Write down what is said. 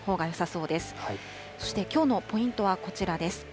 そしてきょうのポイントはこちらです。